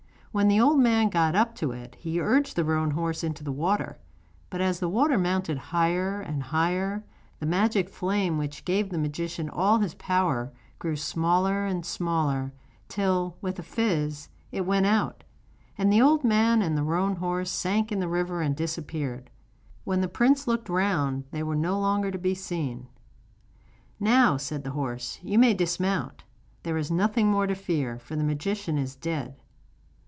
When the old man got up to it he urged the roan horse into the water, but as the water mounted higher and higher, the magic flame which gave the magician all his power grew smaller and smaller, till, with a fizz, it went out, and the old man and the roan horse sank in the river and disappeared. When the prince looked round they were no longer to be seen. 'Now,' said the horse, 'you may dismount; there is nothing more to fear, for the magician is dead.